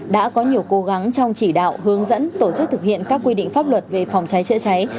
đã có nhiều cố gắng trong chỉ đạo hướng dẫn tổ chức thực hiện các quy định pháp luật về phòng cháy chữa cháy